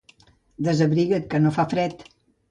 Desabriga't, que no fa fred.